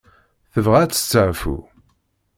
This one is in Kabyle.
Tebɣa ad testaɛfu.